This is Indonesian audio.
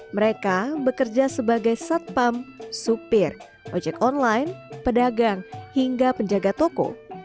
mereka bekerja sebagai satpam supir ojek online pedagang hingga penjaga toko